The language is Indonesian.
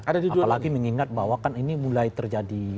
apalagi mengingat bahwa kan ini mulai terjadi